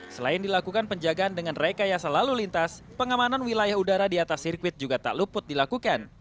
selain dilakukan penjagaan dengan rekayasa lalu lintas pengamanan wilayah udara di atas sirkuit juga tak luput dilakukan